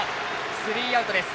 スリーアウトです。